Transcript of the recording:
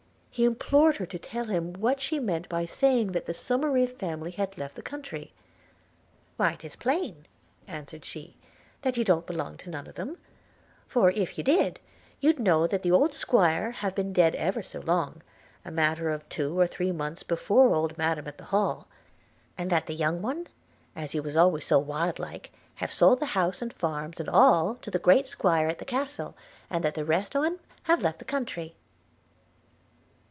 – He implored her to tell him what she meant by saying that the Somerive family had left the country. – 'Why 'tis plain,' answered she, 'that you don't belong to none of them, – for, if you did, you'd know that the old Squire have been dead ever so long – a matter of two or three months before old Madam at the Hall; and that the young one, he as was always so wild like, have sold the house and farms and all to the great Squire at the castle, and that the rest on 'em have left the country.'